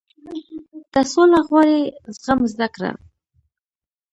• که سوله غواړې، زغم زده کړه.